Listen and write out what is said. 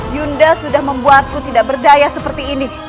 yunda sudah membuatku tidak berdaya seperti ini